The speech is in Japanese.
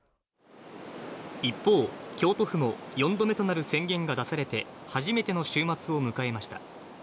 一方、京都府も４度目となる宣言が出されて、初めての週末を迎えました。